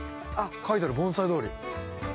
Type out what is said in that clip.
あっ書いてある「盆栽通り」。